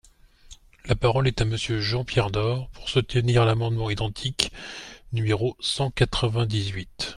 La parole est à Monsieur Jean-Pierre Door, pour soutenir l’amendement identique numéro cent quatre-vingt-dix-huit.